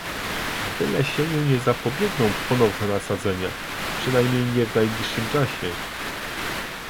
Wylesieniu nie zapobiegną ponowne nasadzenia, przynajmniej nie w najbliższym czasie